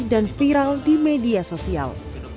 dan viral di media sosial